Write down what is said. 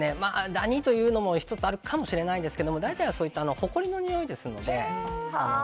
ダニというのも１つあるかもしれないですけれど大体はほこりのにおいですので。